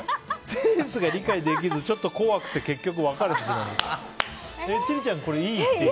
センスが理解できずちょっと怖くて千里ちゃん、これいい？